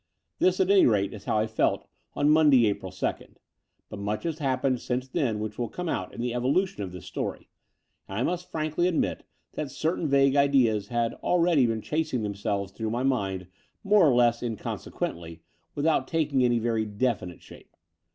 This, at any rate, is how I felt on Monday, April 2nd but, much has happened since then which will come out in the evolution of this story : and I must frankly admit that certain vague ideas had already been chasing themselves through my mind more or less inconsequently without taking any very definite shape.